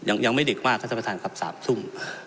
ยังไม่นิดมากท่านประธานครับ๓ทุ่ง